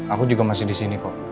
aku juga masih disini kok